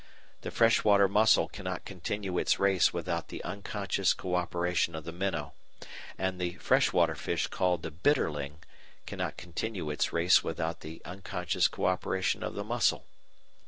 The freshwater mussel cannot continue its race without the unconscious co operation of the minnow, and the freshwater fish called the bitterling cannot continue its race without the unconscious co operation of the mussel.